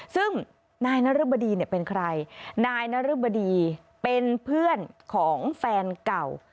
ซึ่งนายนรบดีเนี่ยเป็นใครนายนรึบดีเป็นเพื่อนของแฟนเก่า